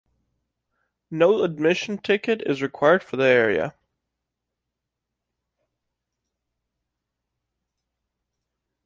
No admission ticket is required for the area.